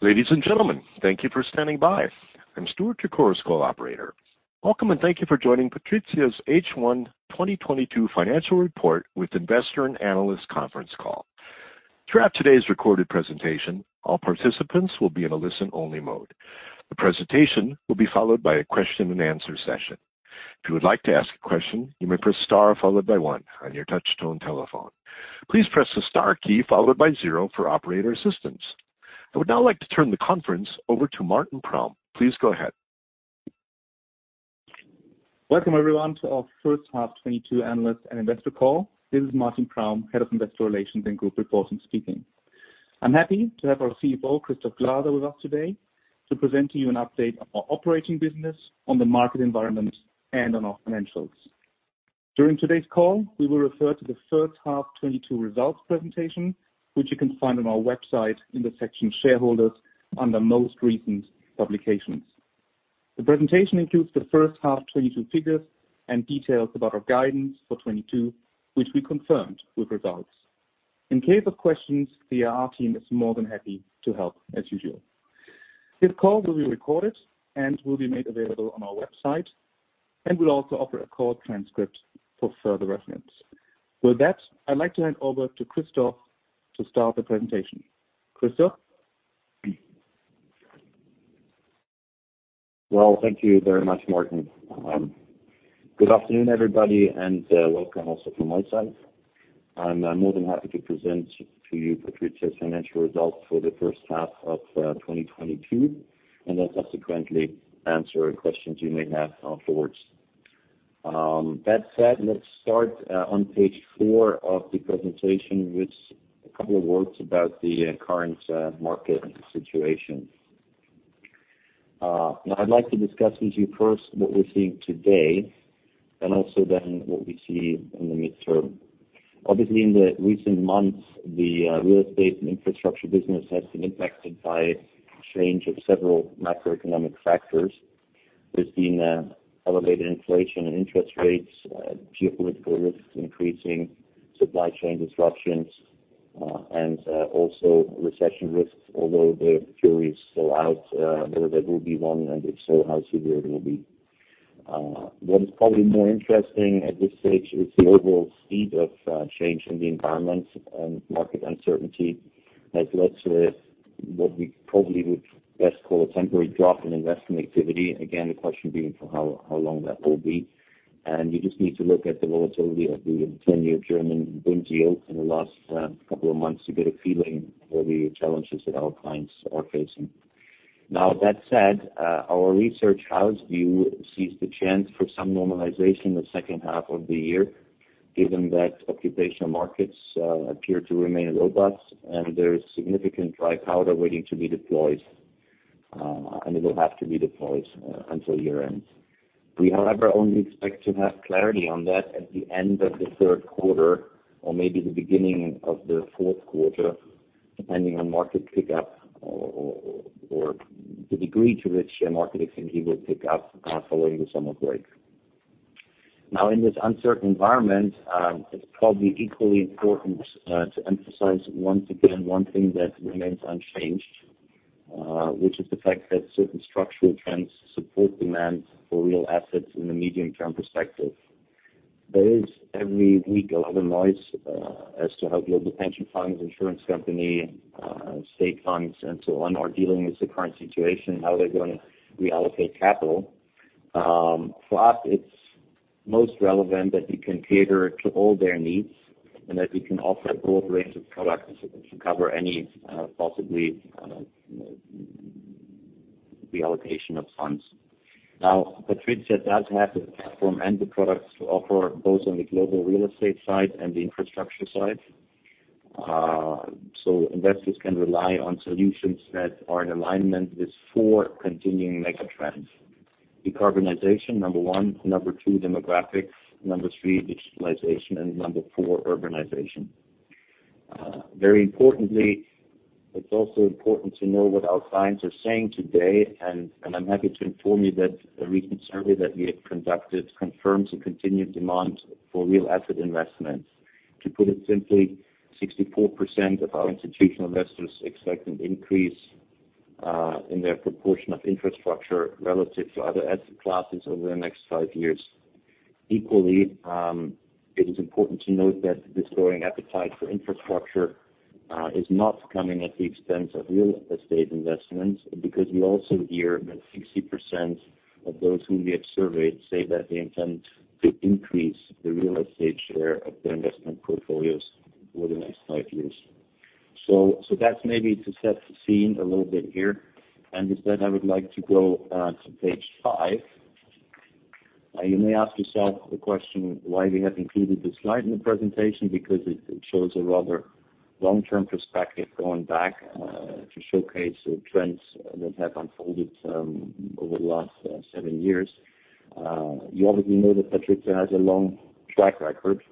Ladies and gentlemen, thank you for standing by. I'm Stuart, your Chorus Call operator. Welcome, and thank you for joining PATRIZIA's H1 2022 financial report with investor and analyst conference call. Throughout today's recorded presentation, all participants will be in a listen-only mode. The presentation will be followed by a question-and-answer session. If you would like to ask a question, you may press star followed by one on your touch-tone telephone. Please press the star key followed by zero for operator assistance. I would now like to turn the conference over to Martin Praum. Please go ahead. Welcome everyone to our first half 2022 analyst and investor call. This is Martin Praum, Head of Investor Relations and Group Reporting, speaking. I'm happy to have our CFO, Christoph Glaser, with us today to present to you an update of our operating business on the market environment and on our financials. During today's call, we will refer to the first half 2022 results presentation, which you can find on our website in the Shareholders section under most recent publications. The presentation includes the first half 2022 figures and details about our guidance for 2022, which we confirmed with results. In case of questions, the IR team is more than happy to help as usual. This call will be recorded and will be made available on our website, and we'll also offer a call transcript for further reference. With that, I'd like to hand over to Christoph to start the presentation. Christoph? Well, thank you very much, Martin. Good afternoon, everybody, and welcome also from my side. I'm more than happy to present to you PATRIZIA's financial results for the first half of 2022, and then subsequently answer any questions you may have afterwards. That said, let's start on page 4 of the presentation with a couple of words about the current market situation. Now I'd like to discuss with you first what we're seeing today, and also then what we see in the midterm. Obviously, in the recent months, the real estate and infrastructure business has been impacted by changes in several macroeconomic factors. There's been elevated inflation and interest rates, geopolitical risks increasing, supply chain disruptions, and also recession risks, although the jury is still out whether there will be one and if so, how severe it will be. What is probably more interesting at this stage is the overall speed of change in the environment and market uncertainty that led to what we probably would best call a temporary drop in investment activity. Again, the question being for how long that will be. You just need to look at the volatility of the 10-year German bund yield in the last couple of months to get a feeling for the challenges that our clients are facing. Now, that said, our research house view sees the chance for some normalization in the second half of the year, given that occupational markets appear to remain robust and there is significant dry powder waiting to be deployed, and it will have to be deployed until year-end. We, however, only expect to have clarity on that at the end of the third quarter or maybe the beginning of the fourth quarter, depending on market pickup or the degree to which share market activity will pick up following the summer break. Now, in this uncertain environment, it's probably equally important to emphasize once again one thing that remains unchanged, which is the fact that certain structural trends support demand for real assets in the medium-term perspective. There is every week a lot of noise as to how global pension funds, insurance company, state funds, and so on are dealing with the current situation and how they're gonna reallocate capital. For us, it's most relevant that we can cater to all their needs and that we can offer a broad range of products that can cover any possibly reallocation of funds. Now, PATRIZIA does have the platform and the products to offer both on the global real estate side and the infrastructure side. Investors can rely on solutions that are in alignment with four continuing mega trends. Decarbonization, number one. Number two, demographics. Number three, digitalization. Number four, urbanization. Very importantly, it's also important to know what our clients are saying today, and I'm happy to inform you that a recent survey that we have conducted confirms a continued demand for real asset investments. To put it simply, 64% of our institutional investors expect an increase in their proportion of infrastructure relative to other asset classes over the next five years. Equally, it is important to note that this growing appetite for infrastructure is not coming at the expense of real estate investments, because we also hear that 60% of those who we have surveyed say that they intend to increase the real estate share of their investment portfolios over the next five years. That's maybe to set the scene a little bit here. With that, I would like to go to page five. You may ask yourself the question why we have included this slide in the presentation, because it shows a rather long-term perspective going back to showcase the trends that have unfolded over the last seven years. You obviously know that PATRIZIA has a long track record.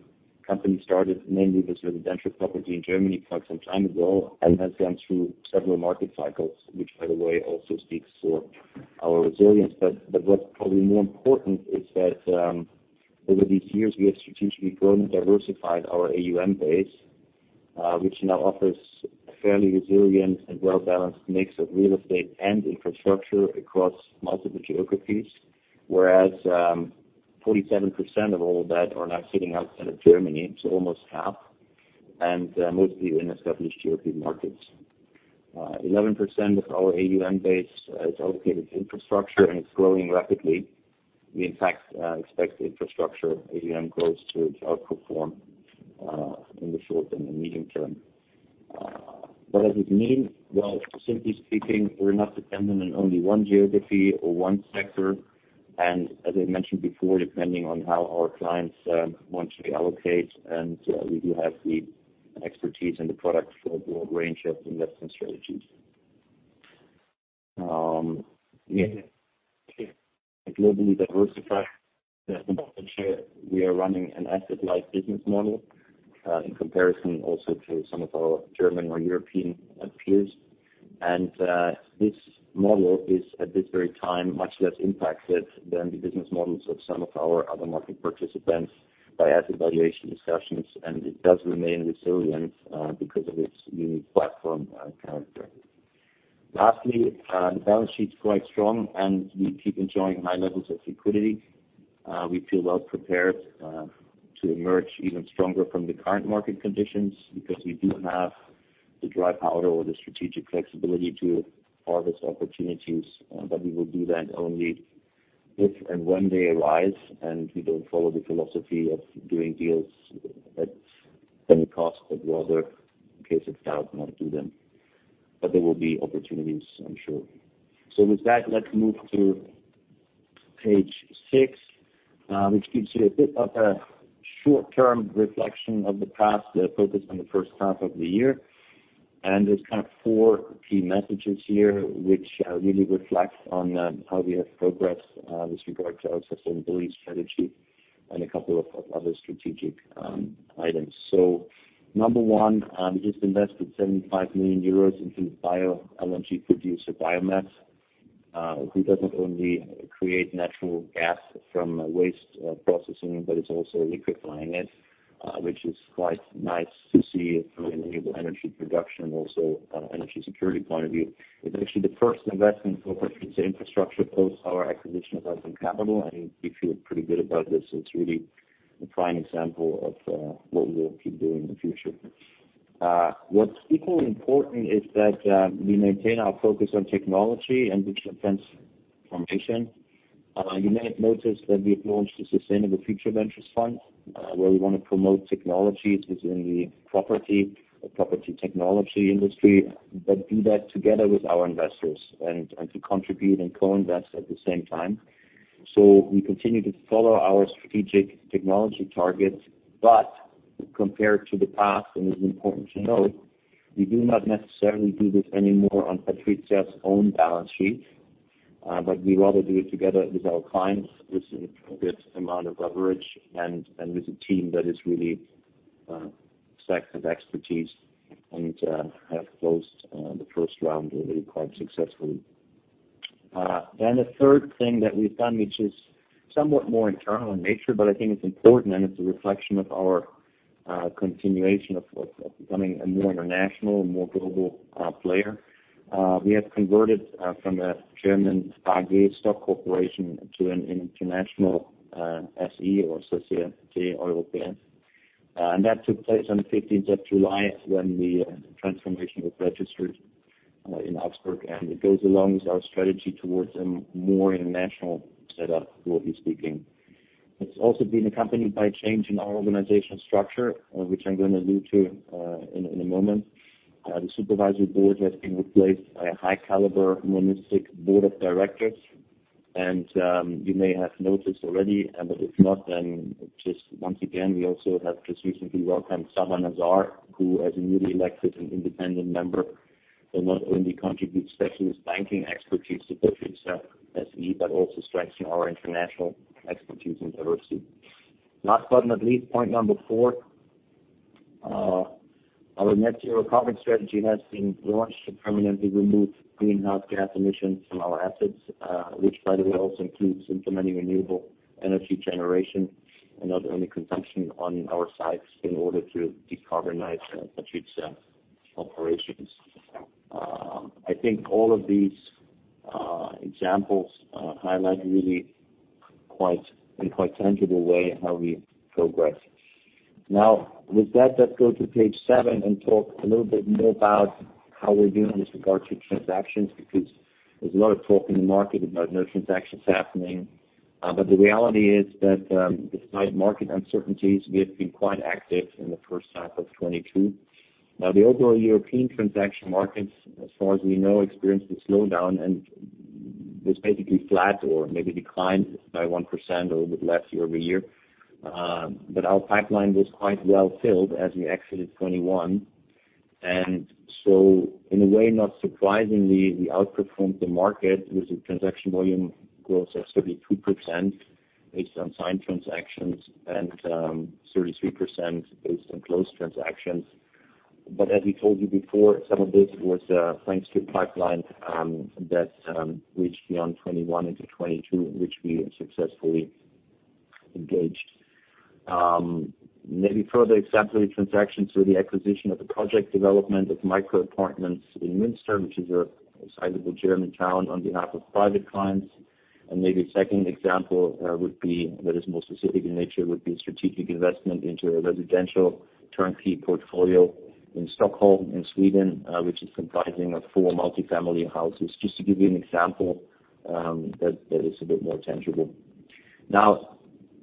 Company started mainly with residential property in Germany quite some time ago and has gone through several market cycles, which by the way, also speaks for our resilience. What's probably more important is that over these years, we have strategically grown and diversified our AUM base, which now offers a fairly resilient and well-balanced mix of real estate and infrastructure across multiple geographies. Whereas, 47% of all that are now sitting outside of Germany, it's almost half, and mostly in established geographic markets. 11% of our AUM base is allocated to infrastructure and it's growing rapidly. We, in fact, expect the infrastructure AUM growth to outperform in the short and the medium term. What does it mean? Well, simply speaking, we're not dependent on only one geography or one sector. As I mentioned before, depending on how our clients want to allocate, and we do have the expertise and the products for a broad range of investment strategies. It's globally diversified. At the same time, we are running an asset-light business model in comparison also to some of our German or European peers. This model is at this very time much less impacted than the business models of some of our other market participants by asset valuation discussions. It does remain resilient because of its unique platform character. Lastly, the balance sheet's quite strong, and we keep enjoying high levels of liquidity. We feel well prepared to emerge even stronger from the current market conditions because we do have the dry powder or the strategic flexibility to harvest opportunities. We will do that only if and when they arise, and we don't follow the philosophy of doing deals at any cost, but rather in case of doubt not do them. There will be opportunities, I'm sure. With that, let's move to page 6, which gives you a bit of a short-term reflection of the past, focused on the first half of the year. There's kind of four key messages here which really reflect on how we have progressed with regard to our sustainability strategy and a couple of other strategic items. Number one, we just invested 75 million euros into the bio-LNG producer Biomet, who doesn't only create natural gas from waste processing, but is also liquefying it, which is quite nice to see from a renewable energy production, also, energy security point of view. It's actually the first investment for PATRIZIA Infrastructure post our acquisition of Whitehelm Capital, and we feel pretty good about this. It's really a prime example of what we will keep doing in the future. What's equally important is that we maintain our focus on technology and digital transformation. You may have noticed that we've launched the Sustainable Future Ventures fund, where we wanna promote technologies within the property or property technology industry, but do that together with our investors and to contribute and co-invest at the same time. We continue to follow our strategic technology targets, but compared to the past, and it's important to note, we do not necessarily do this anymore on PATRIZIA's own balance sheet. But we rather do it together with our clients with a good amount of leverage and with a team that is really stacked with expertise and have closed the first round really quite successfully. The third thing that we've done, which is somewhat more internal in nature, but I think it's important and it's a reflection of our continuation of becoming a more international and more global player. We have converted from a German AG stock corporation to an international SE or Société Européenne. That took place on the fifteenth of July when the transformation was registered in Augsburg, and it goes along with our strategy towards a more international setup, broadly speaking. It's also been accompanied by a change in our organizational structure, which I'm gonna allude to in a moment. The supervisory board has been replaced by a high caliber monistic board of directors. You may have noticed already, but if not, then just once again, we also have just recently welcomed Saba Nazar, who as a newly elected and independent member, will not only contribute specialist banking expertise to PATRIZIA SE, but also strengthen our international expertise and diversity. Last but not least, point number four. Our net zero carbon strategy has been launched to permanently remove greenhouse gas emissions from our assets, which by the way, also includes implementing renewable energy generation and not only consumption on our sites in order to decarbonize, PATRIZIA's operations. I think all of these examples highlight really quite, in quite tangible way how we progress. Now with that, let's go to page seven and talk a little bit more about how we're doing with regard to transactions, because there's a lot of talk in the market about no transactions happening. The reality is that, despite market uncertainties, we have been quite active in the first half of 2022. Now, the overall European transaction markets, as far as we know, experienced a slowdown and was basically flat or maybe declined by 1% or a little bit less year-over-year. Our pipeline was quite well filled as we exited 2021. In a way, not surprisingly, we outperformed the market with a transaction volume growth of 32% based on signed transactions and 33% based on closed transactions. As we told you before, some of this was thanks to pipeline that reached beyond 2021 into 2022, which we have successfully engaged. Maybe further exemplary transactions were the acquisition of the project development of micro apartments in Münster, which is a sizable German town on behalf of private clients. Maybe a second example would be, that is more specific in nature, would be a strategic investment into a residential turnkey portfolio in Stockholm, in Sweden, which is comprising of four multifamily houses. Just to give you an example, that is a bit more tangible. Now,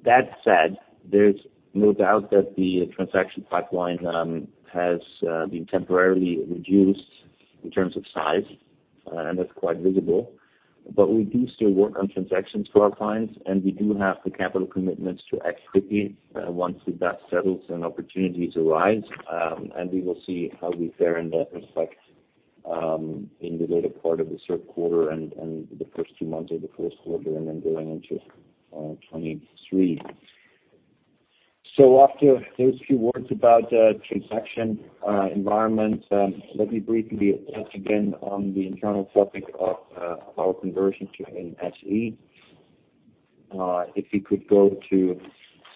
that said, there's no doubt that the transaction pipeline has been temporarily reduced in terms of size, and that's quite visible. We do still work on transactions for our clients, and we do have the capital commitments to act quickly, once the dust settles and opportunities arise. We will see how we fare in that respect, in the later part of the third quarter and the first two months of the first quarter and then going into 2023. After those few words about the transaction environment, let me briefly touch again on the internal topic of our conversion to an SE. If you could go to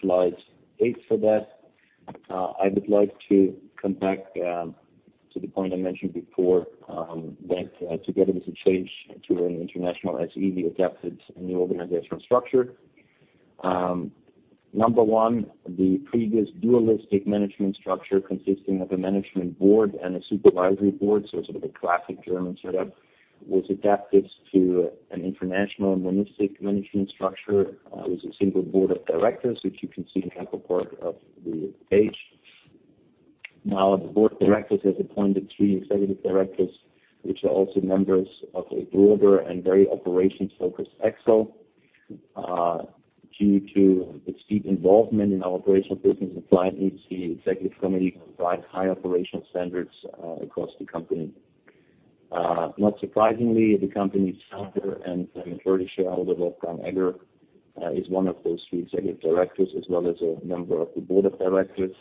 slide eight for that. I would like to come back to the point I mentioned before, that together with the change to an international SE, we adapted a new organizational structure. Number one, the previous dualistic management structure consisting of a management board and a supervisory board, so sort of a classic German setup, was adapted to an international monistic management structure, with a single board of directors, which you can see in the upper part of the page. Now, the board of directors has appointed three executive directors, which are also members of a broader and very operations-focused Exco. Due to its deep involvement in our operational business and client needs, the executive committee can provide high operational standards across the company. Not surprisingly, the company's founder and majority shareholder, Wolfgang Egger, is one of those three executive directors as well as a member of the board of directors,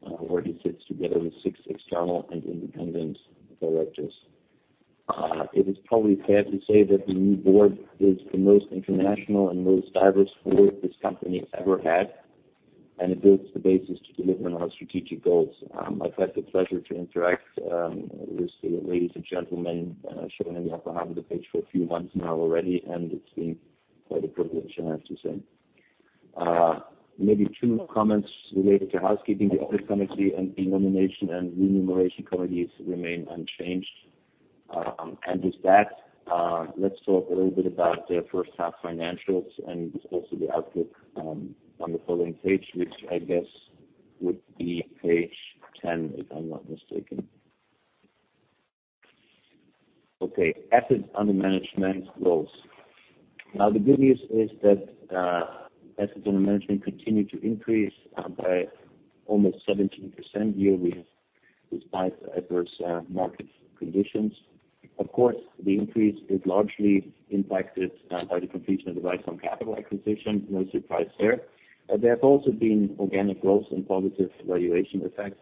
where he sits together with six external and independent directors. It is probably fair to say that the new board is the most international and most diverse board this company has ever had, and it builds the basis to delivering on our strategic goals. I've had the pleasure to interact with the ladies and gentlemen shown in the upper half of the page for a few months now already, and it's been quite a privilege, I have to say. Maybe two comments related to housekeeping. The audit committee and the nomination & remuneration committees remain unchanged. With that, let's talk a little bit about the first half financials and also the outlook, on the following page, which I guess would be page 10, if I'm not mistaken. Okay. Assets under management growth. Now, the good news is that, assets under management continued to increase, by almost 17% year-over-year despite adverse, market conditions. Of course, the increase is largely impacted, by the completion of the Whitehelm Capital acquisition. No surprise there. There have also been organic growth and positive valuation effects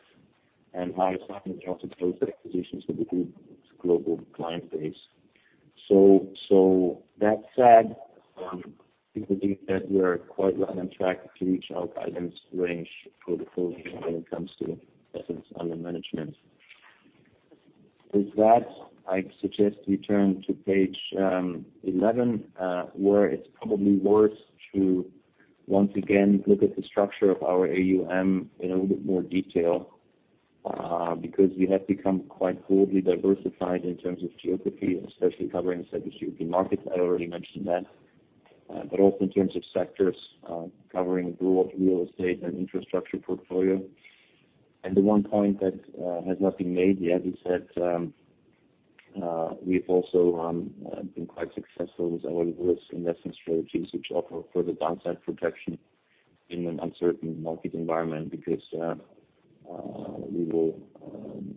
and high assignment rates across acquisitions for the group's global client base. So that said, we believe that we are quite well on track to reach our guidance range for the full year when it comes to assets under management. With that, I suggest we turn to page 11, where it's probably worth to once again look at the structure of our AUM in a little bit more detail, because we have become quite broadly diversified in terms of geography, especially covering Central European markets. I already mentioned that. Also in terms of sectors, covering broad real estate and infrastructure portfolio. The one point that has not been made yet is that, we've also been quite successful with our risk investment strategies, which offer further downside protection in an uncertain market environment because we will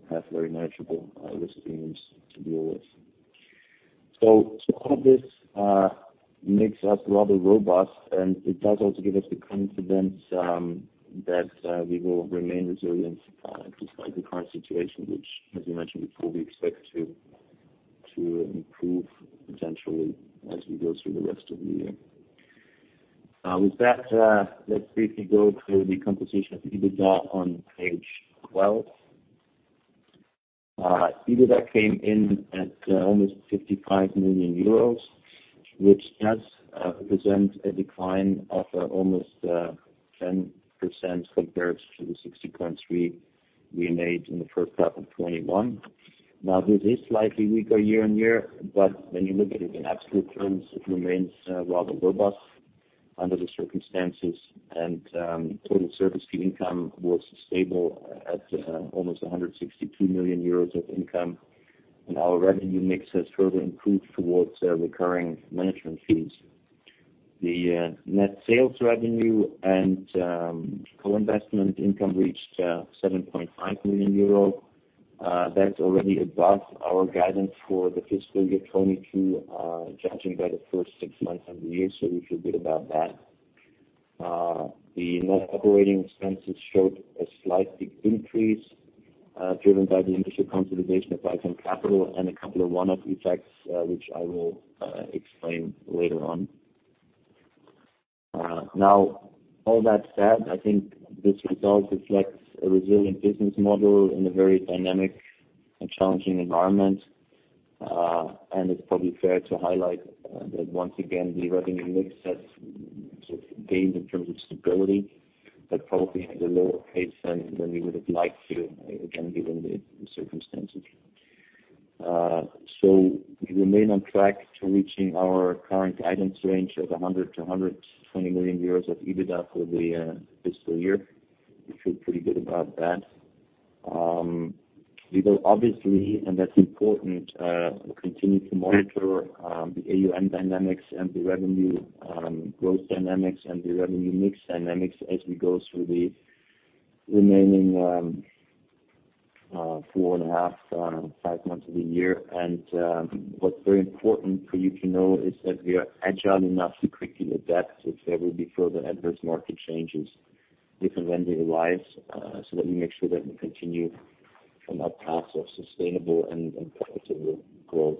have very manageable risk premiums to deal with. All this makes us rather robust, and it does also give us the confidence that we will remain resilient despite the current situation, which as we mentioned before, we expect to improve potentially as we go through the rest of the year. With that, let's briefly go through the composition of EBITDA on page 12. EBITDA came in at almost 55 million euros, which does present a decline of almost 10% compared to the 16.3 we made in the first half of 2021. Now, this is slightly weaker year-on-year, but when you look at it in absolute terms, it remains rather robust under the circumstances. Total service fee income was stable at almost 162 million euros of income. Our revenue mix has further improved towards recurring management fees. The net sales revenue and co-investment income reached 7.5 million euros. That's already above our guidance for the fiscal year 2022, judging by the first six months of the year. We feel good about that. The net operating expenses showed a slight increase, driven by the initial consolidation of advanto Capital and a couple of one-off effects, which I will explain later on. Now all that said, I think this result reflects a resilient business model in a very dynamic and challenging environment. It's probably fair to highlight that once again, the revenue mix has sort of gained in terms of stability, but probably at a lower pace than we would have liked to, again, given the circumstances. We remain on track to reaching our current guidance range of 100 million-120 million euros of EBITDA for the fiscal year. We feel pretty good about that. We will obviously, and that's important, we'll continue to monitor the AUM dynamics and the revenue growth dynamics and the revenue mix dynamics as we go through the remaining 4.5-5 months of the year. What's very important for you to know is that we are agile enough to quickly adapt if there will be further adverse market changes, if and when they arise, so that we make sure that we continue on our path of sustainable and profitable growth.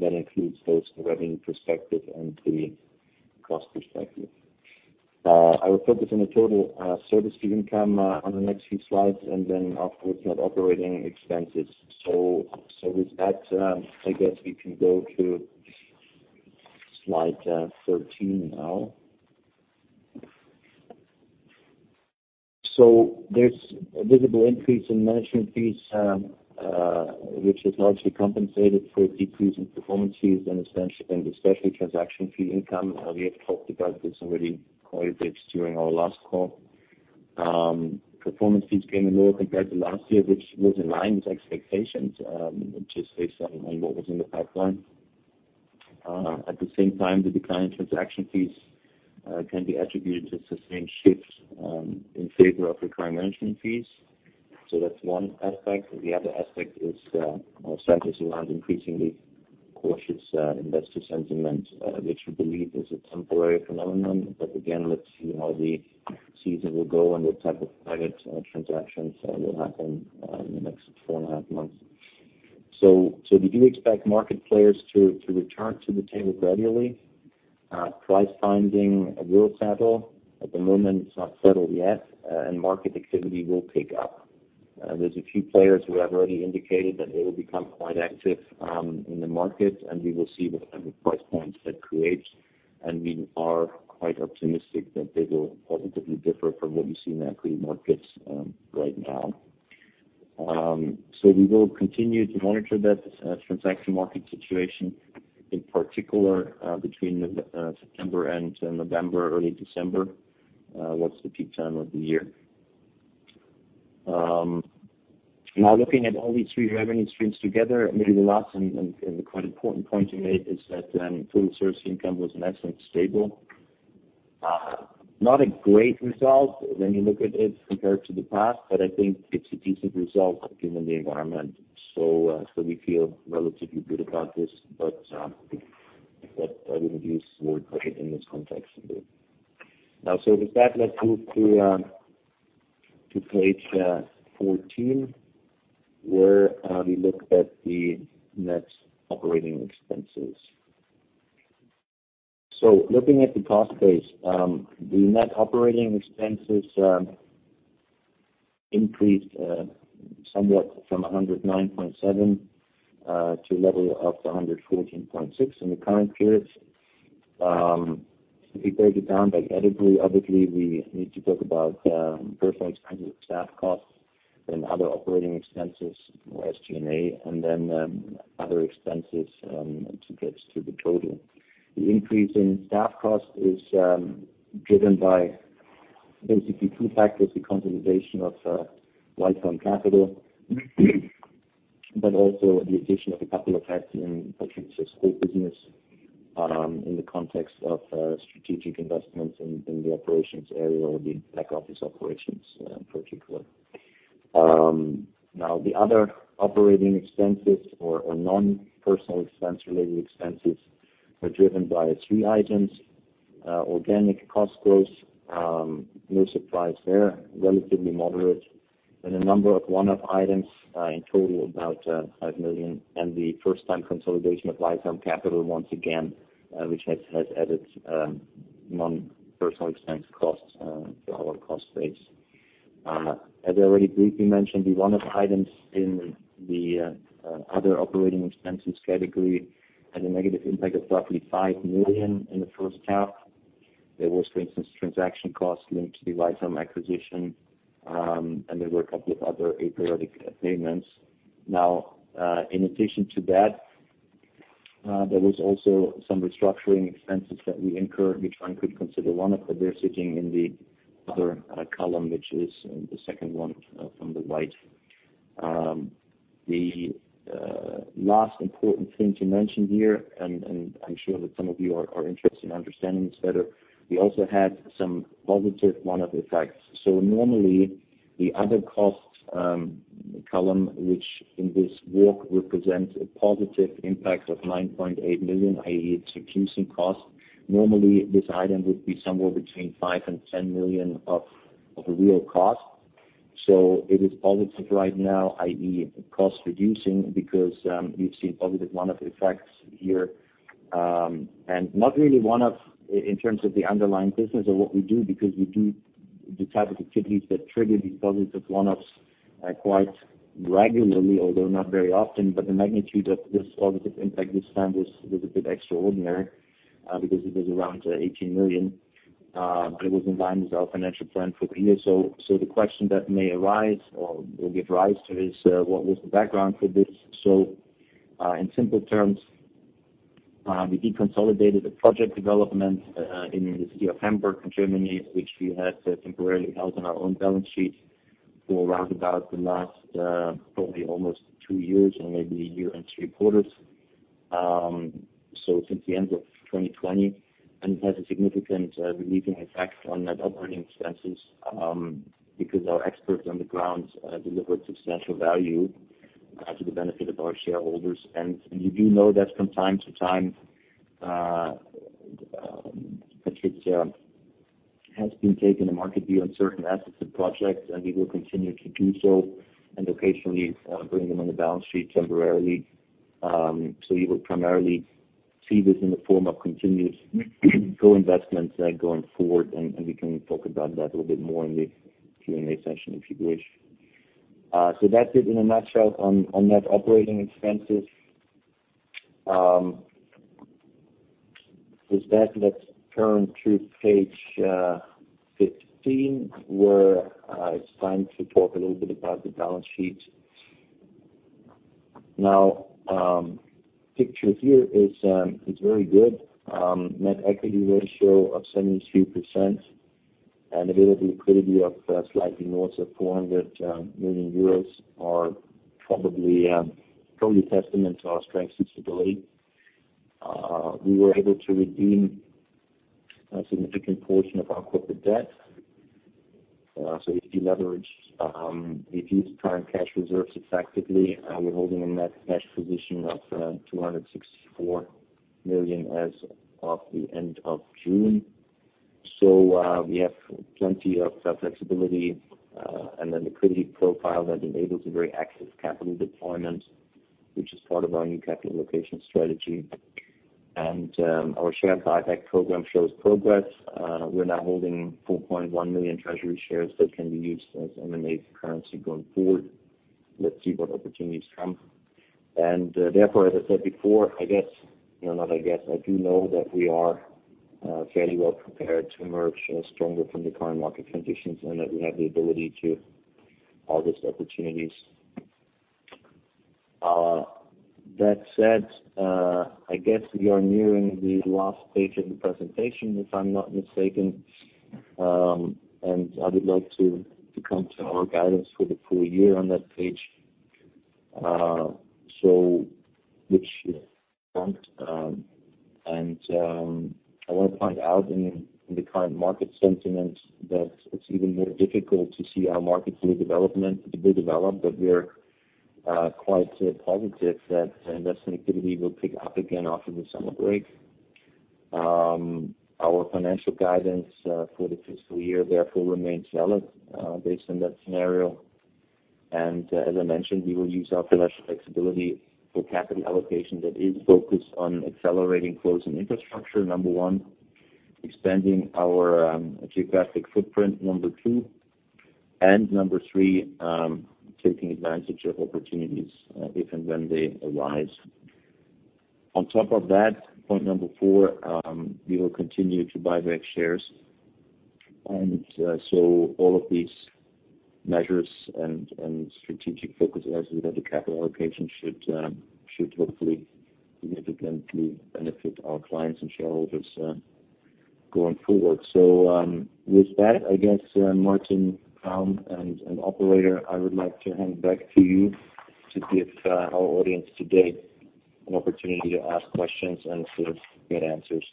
That includes both the revenue perspective and the cost perspective. I will focus on the total service fee income on the next few slides, and then afterwards, net operating expenses. With that, I guess we can go to slide 13 now. There's a visible increase in management fees, which is largely compensated for a decrease in performance fees and especially transaction fee income. We have talked about this already quite a bit during our last call. Performance fees came in lower compared to last year, which was in line with expectations, just based on what was in the pipeline. At the same time, the decline in transaction fees can be attributed to sustained shifts in favor of recurring management fees. That's one aspect. The other aspect is more centered around increasingly cautious investor sentiment, which we believe is a temporary phenomenon. Again, let's see how the season will go and what type of private transactions will happen in the next four and a half months. We do expect market players to return to the table gradually. Price finding will settle. At the moment, it's not settled yet. Market activity will pick up. There's a few players who have already indicated that they will become quite active in the market, and we will see what kind of price points that creates. We are quite optimistic that they will positively differ from what we see in equity markets right now. We will continue to monitor that transaction market situation, in particular, between September and November, early December, what's the peak time of the year. Looking at all these three revenue streams together, maybe the last and the quite important point to make is that total service income was nice and stable. Not a great result when you look at it compared to the past, but I think it's a decent result given the environment. We feel relatively good about this, but I wouldn't use the word great in this context either. With that, let's move to page 14, where we look at the net operating expenses. Looking at the cost base, the net operating expenses increased somewhat from 109.7 to a level of 114.6 in the current period. If we break it down by category, obviously, we need to talk about personnel expenses, staff costs and other operating expenses or SG&A, and then other expenses to get to the total. The increase in staff cost is driven by basically two factors, the consolidation of Licom Capital, but also the addition of a couple of heads in PATRIZIA's core business, in the context of strategic investments in the operations area or the back-office operations, in particular. Now the other operating expenses or non-personal expense related expenses are driven by three items, organic cost growth, no surprise there, relatively moderate. A number of one-off items, in total about 5 million, and the first time consolidation of Licom Capital once again, which has added non-personal expense costs to our cost base. As I already briefly mentioned, the one-off items in the other operating expenses category had a negative impact of roughly 5 million in the first half. There was, for instance, transaction costs linked to the Licom acquisition, and there were a couple of other aperiodic payments. Now, in addition to that, there was also some restructuring expenses that we incurred, which one could consider one-off, but they're sitting in the other column, which is the second one from the right. The last important thing to mention here, and I'm sure that some of you are interested in understanding this better, we also had some positive one-off effects. Normally the other costs column which in this walk represents a positive impact of 9.8 million, i.e., it's reducing costs. Normally, this item would be somewhere between 5 million and 10 million of a real cost. It is positive right now, i.e., cost reducing because we've seen positive one-off effects here. Not really one-off in terms of the underlying business or what we do because we do the type of activities that trigger these positive one-offs quite regularly, although not very often. The magnitude of this positive impact this time was a bit extraordinary because it was around 18 million. It was in line with our financial plan for the year. The question that may arise or will give rise to is what was the background for this? In simple terms, we deconsolidated the project development in the city of Hamburg in Germany, which we had temporarily held on our own balance sheet for around about the last probably almost two years or maybe a year and three quarters since the end of 2020. It has a significant relieving effect on net operating expenses, because our experts on the ground delivered substantial value to the benefit of our shareholders. You do know that from time to time, PATRIZIA has been taking a market view on certain assets of projects, and we will continue to do so, and occasionally bring them on the balance sheet temporarily. You will primarily see this in the form of continuous co-investments going forward, and we can talk about that a little bit more in the Q&A session if you wish. That's it in a nutshell on net operating expenses. With that, let's turn to page 15, where it's time to talk a little bit about the balance sheet. Now, picture here is very good. Net equity ratio of 72% and available liquidity of slightly north of 400 million euros are probably testament to our strength and stability. We were able to redeem a significant portion of our corporate debt. If you use current cash reserves effectively, we're holding a net cash position of 264 million as of the end of June. We have plenty of flexibility and a liquidity profile that enables a very active capital deployment, which is part of our new capital allocation strategy. Our share buyback program shows progress. We're now holding 4.1 million treasury shares that can be used as M&A currency going forward. Let's see what opportunities come. Therefore, as I said before, I guess, you know, not I guess, I do know that we are fairly well prepared to emerge stronger from the current market conditions and that we have the ability to harvest opportunities. That said, I guess we are nearing the last page of the presentation, if I'm not mistaken. I would like to come to our guidance for the full year on that page. I want to point out in the current market sentiment that it's even more difficult to see how markets will develop, but we're quite positive that investment activity will pick up again after the summer break. Our financial guidance for the fiscal year therefore remains valid based on that scenario. As I mentioned, we will use our financial flexibility for capital allocation that is focused on accelerating flows in infrastructure, number one, expanding our geographic footprint, number two, and number three, taking advantage of opportunities, if and when they arise. On top of that, point number four, we will continue to buy back shares. All of these measures and strategic focus areas with the capital allocation should hopefully significantly benefit our clients and shareholders going forward. With that, I guess, Martin and operator, I would like to hand back to you to give our audience today an opportunity to ask questions and to get answers.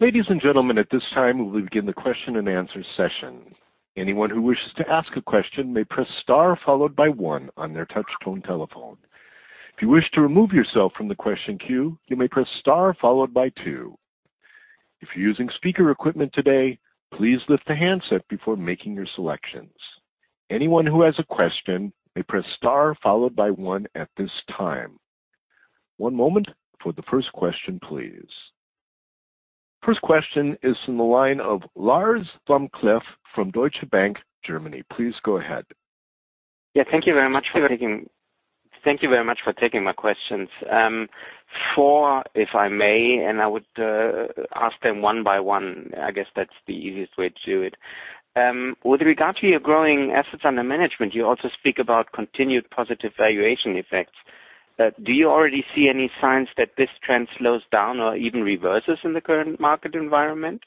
Ladies and gentlemen, at this time, we will begin the question-and-answer session. Anyone who wishes to ask a question may press star followed by one on their touchtone telephone. If you wish to remove yourself from the question queue, you may press star followed by two. If you're using speaker equipment today, please lift the handset before making your selections. Anyone who has a question may press star followed by one at this time. One moment for the first question, please. First question is from the line of Lars Vom Cleff from Deutsche Bank, Germany. Please go ahead. Yeah, thank you very much for taking my questions. Four, if I may, and I would ask them one by one. I guess that's the easiest way to do it. With regard to your growing assets under management, you also speak about continued positive valuation effects. Do you already see any signs that this trend slows down or even reverses in the current market environment?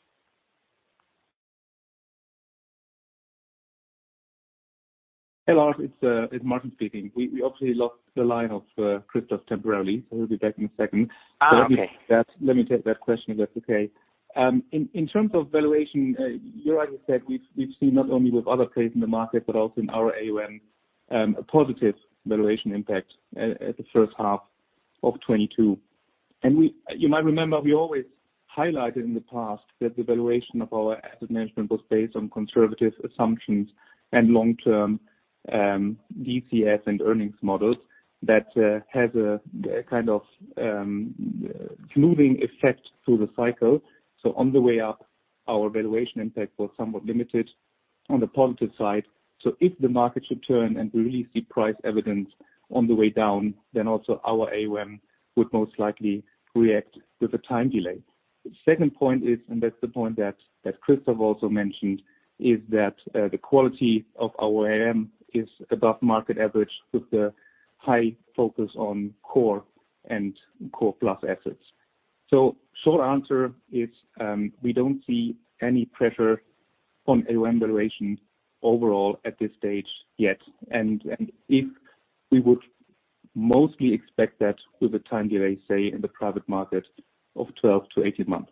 Hello, it's Martin speaking. We obviously lost the line of Christoph temporarily, so he'll be back in a second. Okay. Let me take that question, if that's okay. In terms of valuation, you're right. I said we've seen not only with other players in the market but also in our AUM a positive valuation impact at the first half of 2022. You might remember we always highlighted in the past that the valuation of our asset management was based on conservative assumptions and long-term DCF and earnings models that has a kind of smoothing effect through the cycle. On the way up, our valuation impact was somewhat limited on the positive side. If the market should turn and we really see price evidence on the way down, then also our AUM would most likely react with a time delay. The second point is, and that's the point that Christoph also mentioned, is that, the quality of our AM is above market average with the high focus on core and core plus assets. Short answer is, we don't see any pressure on AUM valuation overall at this stage yet. If we would mostly expect that with a time delay, say, in the private market of 12-18 months.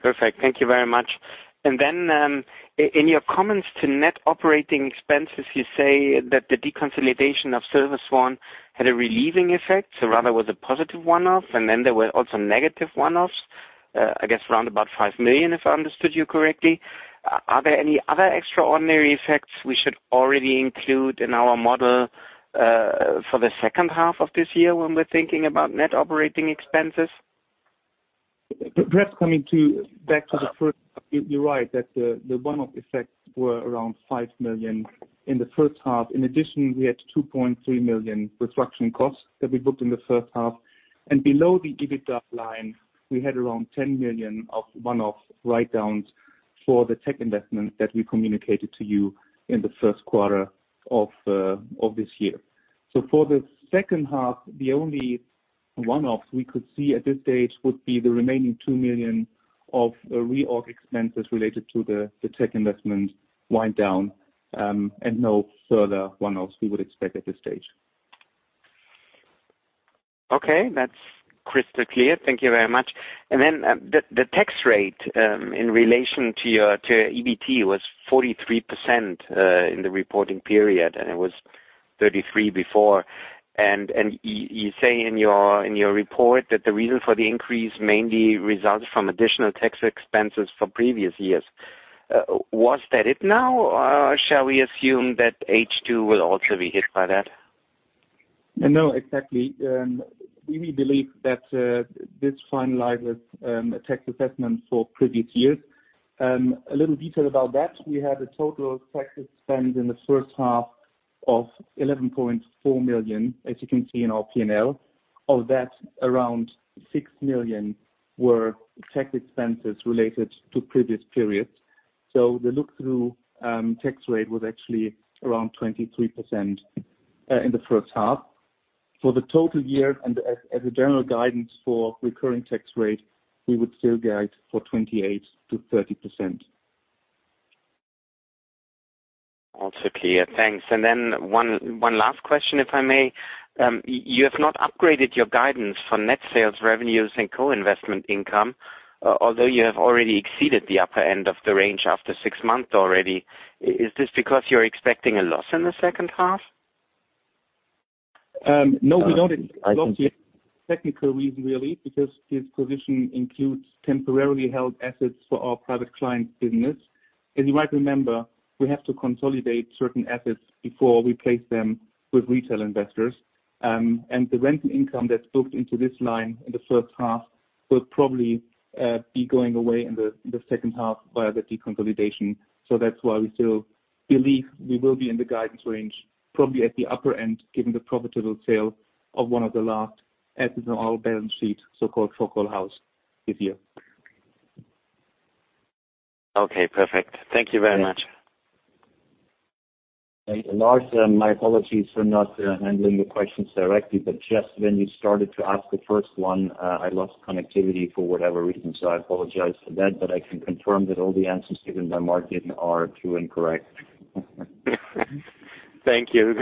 Perfect. Thank you very much. In your comments to net operating expenses, you say that the deconsolidation of ServiceOne had a relieving effect, so rather was a positive one-off, and then there were also negative one-offs, I guess around about 5 million, if I understood you correctly. Are there any other extraordinary effects we should already include in our model, for the second half of this year when we're thinking about net operating expenses? Perhaps coming back to the first, you're right, that the one-off effects were around 5 million in the first half. In addition, we had 2.3 million restructuring costs that we booked in the first half. Below the EBITDA line, we had around 10 million of one-off write-downs for the tech investment that we communicated to you in the first quarter of this year. For the second half, the only one-off we could see at this stage would be the remaining 2 million of reorg expenses related to the tech investment wind down, and no further one-offs we would expect at this stage. Okay. That's crystal clear. Thank you very much. The tax rate in relation to your EBT was 43% in the reporting period, and it was 33% before. You say in your report that the reason for the increase mainly resulted from additional tax expenses for previous years. Was that it now, or shall we assume that H2 will also be hit by that? No, exactly. We believe that this finalized a tax assessment for previous years. A little detail about that, we had a total tax spend in the first half of 11.4 million, as you can see in our P&L. Of that, around 6 million were tax expenses related to previous periods. The look-through tax rate was actually around 23% in the first half. For the total year and as a general guidance for recurring tax rate, we would still guide for 28%-30%. Also clear. Thanks. Then one last question, if I may. You have not upgraded your guidance for net sales revenues and co-investment income, although you have already exceeded the upper end of the range after six months already. Is this because you're expecting a loss in the second half? No, we don't expect a loss yet. Technical reason really, because this position includes temporarily held assets for our private client business. As you might remember, we have to consolidate certain assets before we place them with retail investors. The rental income that's booked into this line in the first half will probably be going away in the second half via the deconsolidation. That's why we still believe we will be in the guidance range, probably at the upper end, given the profitable sale of one of the last assets on our balance sheet, so-called Focal House this year. Okay, perfect. Thank you very much. Lars, my apologies for not handling your questions directly, but just when you started to ask the first one, I lost connectivity for whatever reason. I apologize for that. I can confirm that all the answers given by Martin are true and correct. Thank you.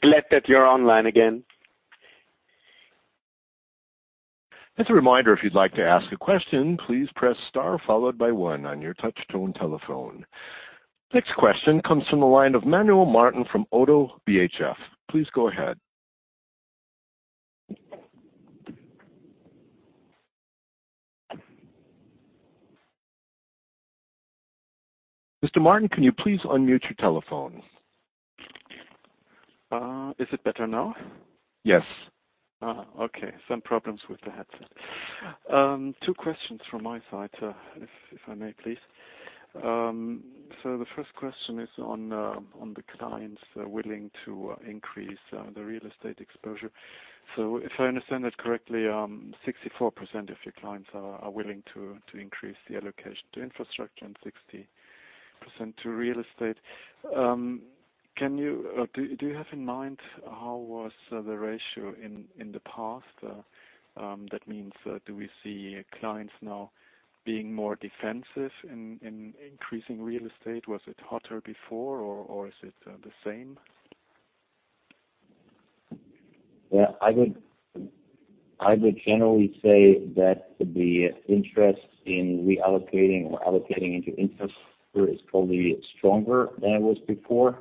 Glad that you're online again. As a reminder, if you'd like to ask a question, please press star followed by one on your touch tone telephone. Next question comes from the line of Manuel Martin from Oddo BHF. Please go ahead. Mr. Martin, can you please unmute your telephone? Is it better now? Yes. Okay. Some problems with the headset. Two questions from my side, if I may, please. The first question is on the clients willing to increase the real estate exposure. If I understand that correctly, 64% of your clients are willing to increase the allocation to infrastructure and 60% to real estate. Do you have in mind how was the ratio in the past? That means, do we see clients now being more defensive in increasing real estate? Was it hotter before or is it the same? Yeah. I would generally say that the interest in reallocating or allocating into infrastructure is probably stronger than it was before.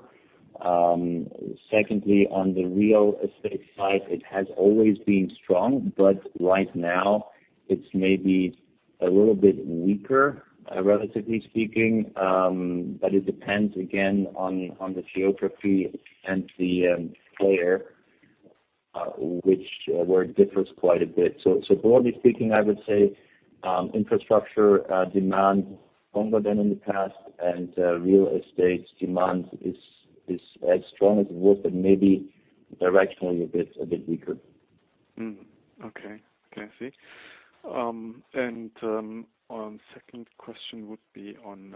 Secondly, on the real estate side, it has always been strong, but right now it's maybe a little bit weaker, relatively speaking. It depends again on the geography and the player where it differs quite a bit. Broadly speaking, I would say infrastructure demand stronger than in the past and real estate demand is as strong as it was, but maybe directionally a bit weaker. Okay. I see. My second question would be on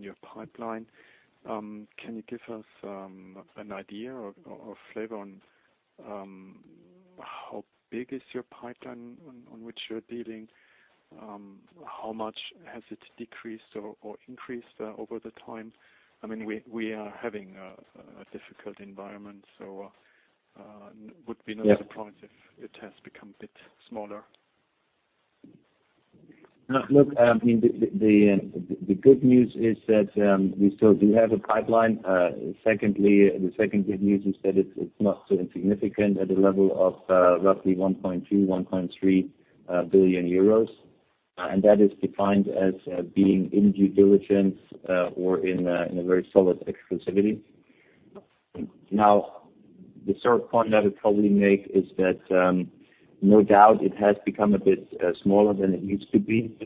your pipeline. Can you give us an idea or a flavor on how big is your pipeline on which you're dealing? How much has it decreased or increased over time? I mean, we are having a difficult environment, would be- Yeah. not surprised if it has become a bit smaller. No, look, I mean, the good news is that we still do have a pipeline. Secondly, the second good news is that it's not insignificant at the level of roughly 1.2 billion-1.3 billion euros. And that is defined as being in due diligence or in a very solid exclusivity. Now, the third point I would probably make is that no doubt it has become a bit smaller than it used to be.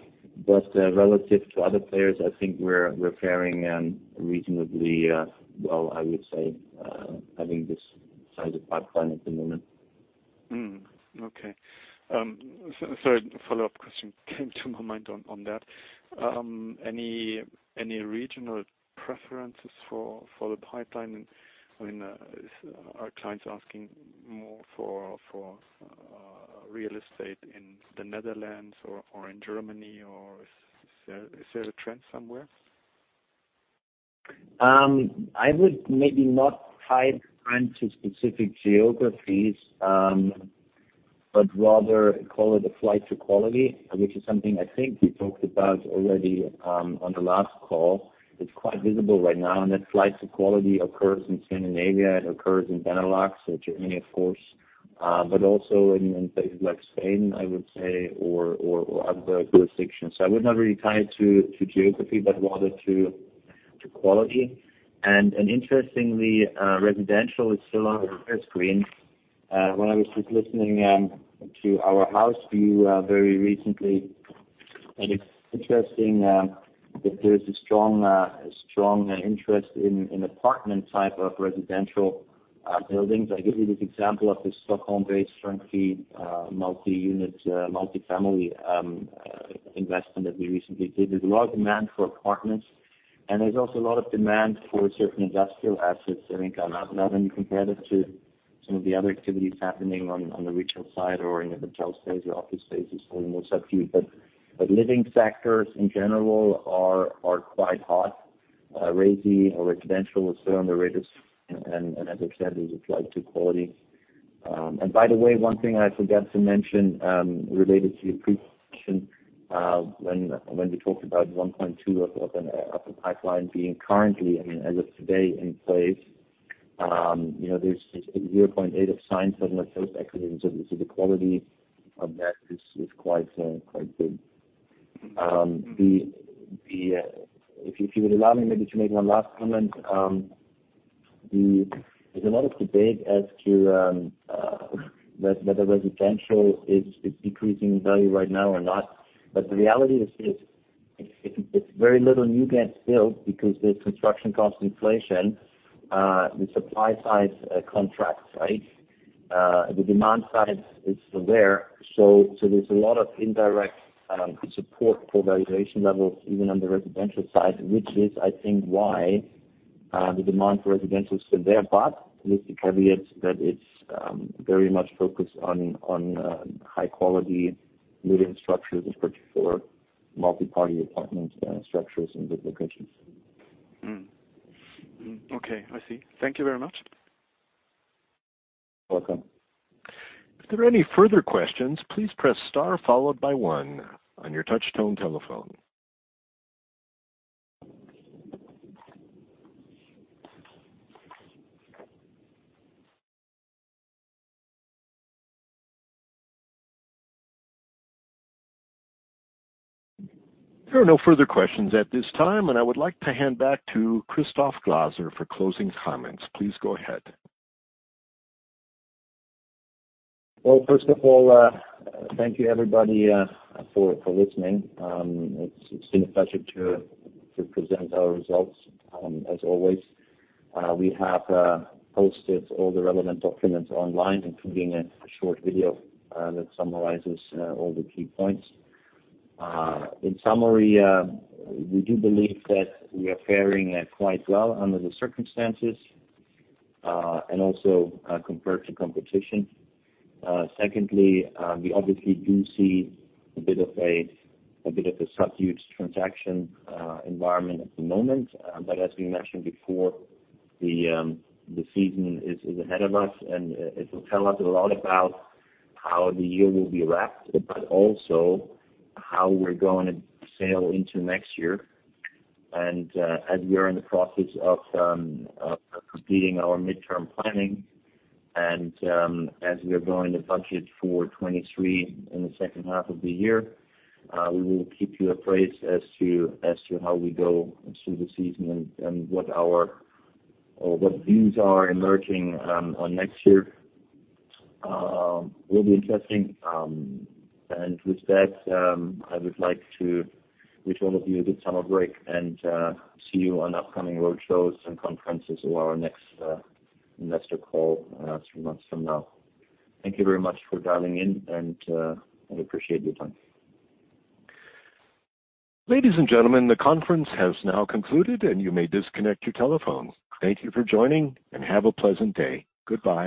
Relative to other players, I think we're faring reasonably well, I would say, having this size of pipeline at the moment. Okay, sorry, follow-up question came to my mind on that. Any regional preferences for the pipeline? I mean, are clients asking more for real estate in the Netherlands or in Germany or is there a trend somewhere? I would maybe not tie the trend to specific geographies, but rather call it a flight to quality, which is something I think we talked about already on the last call. It's quite visible right now. That flight to quality occurs in Scandinavia, it occurs in Benelux or Germany of course, but also in places like Spain, I would say, or other jurisdictions. I would not really tie it to geography, but rather to quality. Interestingly, residential is still on our radar screen. When I was just listening to our house view very recently, and it's interesting that there's a strong interest in apartment type of residential buildings. I give you this example of this Stockholm-based turnkey multi-unit multifamily investment that we recently did. There's a lot of demand for apartments and there's also a lot of demand for certain industrial assets, I think, not when you compare that to some of the other activities happening on the retail side or in the hotel space or office space is probably more subdued. Living sectors in general are quite hot. Resi or residential is still on the radars and as I said, there's a flight to quality. By the way, one thing I forgot to mention, related to your previous question, when we talked about 1.2 of a pipeline being currently, I mean, as of today in place, you know, there's 0.8 of signed, settled, or post-acquisition. The quality of that is quite good. If you would allow me maybe to make one last comment. There's a lot of debate as to whether residential is decreasing in value right now or not. The reality is it's very little new gets built because there's construction cost inflation. The supply side contracts, right? The demand side is still there. There's a lot of indirect support for valuation levels even on the residential side, which is I think why the demand for residential is still there. With the caveat that it's very much focused on high quality living structures, in particular multi-family apartment structures in good locations. Okay. I see. Thank you very much. Welcome. If there are any further questions, please press star followed by one on your touch tone telephone. There are no further questions at this time, and I would like to hand back to Christoph Glaser for closing comments. Please go ahead. Well, first of all, thank you everybody for listening. It's been a pleasure to present our results as always. We have posted all the relevant documents online, including a short video that summarizes all the key points. In summary, we do believe that we are faring quite well under the circumstances and also compared to competition. Secondly, we obviously do see a bit of a subdued transaction environment at the moment. As we mentioned before, the season is ahead of us and it will tell us a lot about how the year will be wrapped, but also how we're going to sail into next year. As we are in the process of completing our midterm planning and as we are building the budget for 2023 in the second half of the year, we will keep you apprised as to how we go through the season and what our views are emerging on next year. Will be interesting. With that, I would like to wish all of you a good summer break and see you on upcoming roadshows and conferences or our next investor call three months from now. Thank you very much for dialing in, and I appreciate your time. Ladies and gentlemen, the conference has now concluded, and you may disconnect your telephones. Thank you for joining, and have a pleasant day. Goodbye.